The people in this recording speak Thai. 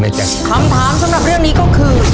คำถามสำหรับเรื่องนี้ก็คือ